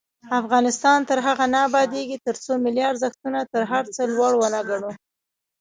افغانستان تر هغو نه ابادیږي، ترڅو ملي ارزښتونه تر هر څه لوړ ونه ګڼو.